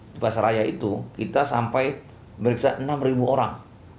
di pasar raya itu kita sampai meriksa enam orang